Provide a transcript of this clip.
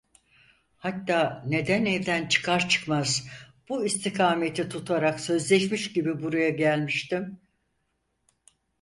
Hatta neden evden çıkar çıkmaz bu istikameti tutarak sözleşmiş gibi buraya gelmiştim.